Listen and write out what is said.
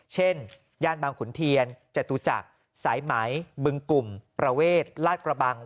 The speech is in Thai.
เช่นย่านบางขุนเทียนจตุจักรสายไหมบึงกลุ่มประเวทลาดกระบัง